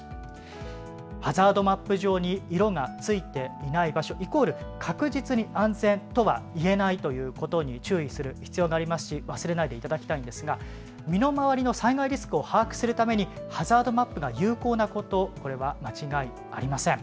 ハザードマップ上に色がついていない場所、イコール確実に安全とは言えないということに注意する必要がありまし忘れないでいただきたいんですが身の回りの災害リスクを把握するためにハザードマップが有効なこと、これは間違いありません。